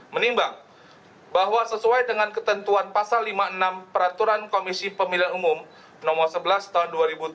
menimbang bahwa sesuai dengan ketentuan pasal lima puluh enam peraturan komisi pemilihan umum nomor sebelas tahun dua ribu tujuh belas